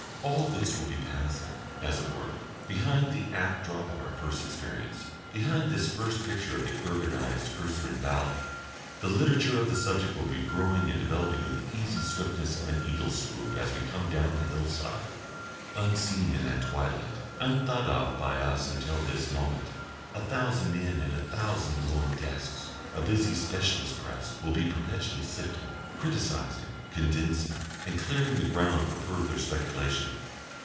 All this will be passing, as it were, behind the act drop of our first experience, behind this first picture of the urbanised Urseren valley. The literature of the subject will be growing and developing with the easy swiftness of an eagle's swoop as we come down the hillside; unseen in that twilight, unthought of by us until this moment, a thousand men at a thousand glowing desks, a busy specialist press, will be perpetually sifting, criticising, condensing, and clearing the ground for further speculation.